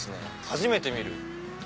初めて見る。